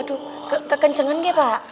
aduh kekencengan gak pak